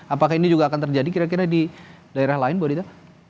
apakah ini juga akan terjadi kira kira di daerah lain bu adita